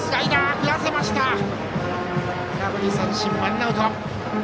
空振り三振、ワンアウト。